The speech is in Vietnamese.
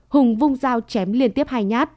hùng vung dao chém liên tiếp hai nhát